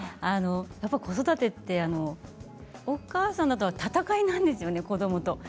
子育てってお母さんは戦いなんですよね子どもと。